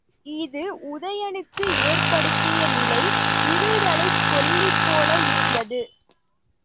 இது உதயணனக்கு ஏற்படுத்திய நிலை, இருதலைக் கொள்ளி போல இருந்தது.